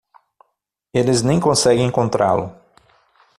Eles nem conseguem encontrá-lo.